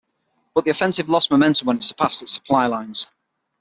But the offensive lost momentum when it surpassed its supply lines.